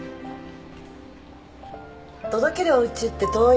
届けるおうちって遠いの？